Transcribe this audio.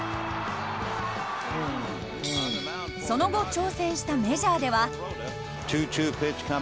その後挑戦したメジャーでは。